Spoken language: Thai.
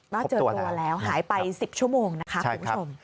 ก็เจอตัวแล้วหายไป๑๐ชั่วโมงนะคะคุณผู้ชม